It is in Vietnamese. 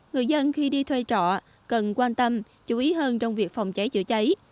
người dân khi đi thuê trọ cần quan tâm chú ý hơn trong việc phòng cháy chữa cháy